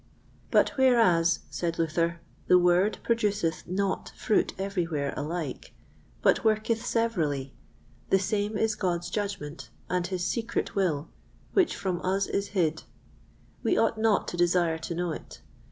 But whereas, said Luther, the Word produceth not fruit everywhere alike, but worketh severally, the same is God's judgment, and his secret will, which from us is hid; we ought not to desire to know it.